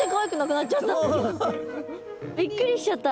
びっくりしちゃった。